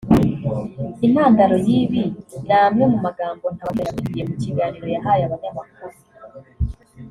Intandaro y’ibi ni amwe mu magambo Ntagwabira yavugiye mu kiganiro yahaye abanyamakuru